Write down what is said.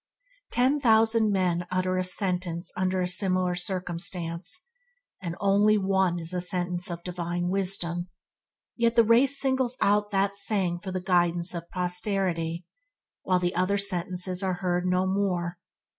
Ten thousand men utter a sentence under a similar circumstance, and one only is a sentence of divine wisdom, yet the race singles out that saying for the guidance of posterity, while the other sentences are heard no more.